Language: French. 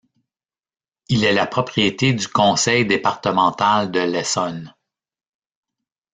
Il est la propriété du conseil départemental de l'Essonne.